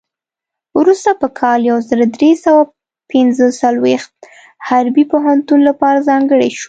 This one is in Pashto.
وروسته په کال یو زر درې سوه پنځه څلوېښت حربي پوهنتون لپاره ځانګړی شو.